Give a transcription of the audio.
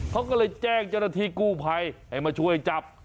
เขาก็เลยแจ้งเจ้าหน้าที่กู้ภัยให้มาช่วยจับ